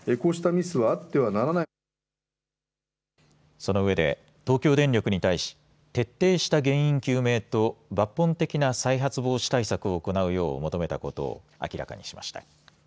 そのうえで東京電力に対し、徹底した原因究明と抜本的な再発防止対策を行うよう求めたことを明らかにしました。